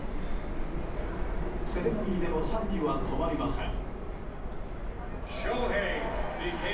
セレモニーでの賛辞は止まりません。